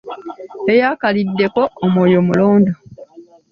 Eyaakaliddeko, omwoyo mulondo.